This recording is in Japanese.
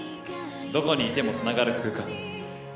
どこにいてもつながる空間。